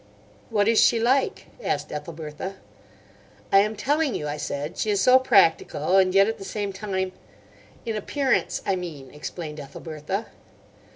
"What is she like?" asked Ethelbertha. "I am telling you," I said. "She is so practical, and yet at the same time—" "In appearance, I mean," explained Ethelbertha.